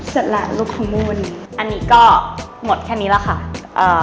เสร็จแล้วลูกของมูลอันนี้ก็หมดแค่นี้แหละค่ะเอ่อ